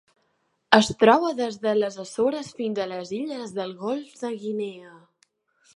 Es troba des de les Açores fins a les illes del Golf de Guinea.